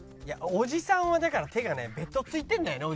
おじさんはだから手がねべとついてるんだよね